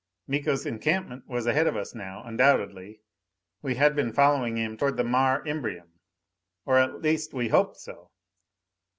Miko's encampment was ahead of us now, undoubtedly. We had been following him toward the Mare Imbrium. Or at least, we hoped so.